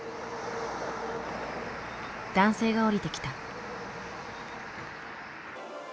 男性が降りてきた。